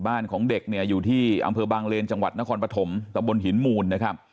ของเด็กเนี่ยอยู่ที่อำเภอบางเลนจังหวัดนครปฐมตะบนหินมูลนะครับ